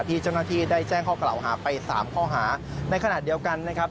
ที่เจ้าหน้าที่ได้แจ้งข้อกล่าวหาไปสามข้อหาในขณะเดียวกันนะครับ